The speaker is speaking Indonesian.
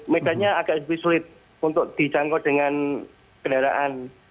medannya agak lebih sulit untuk dijangkau dengan kendaraan